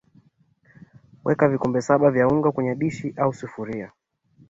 Weka vikombe saba vya unga kwenye dishi au sufuria